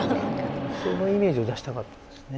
そのイメージを出したかったですね。